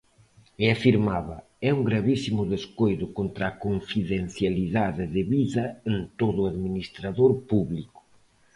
E afirmaba: É un gravísimo descoido contra a confidencialidade debida en todo administrador público.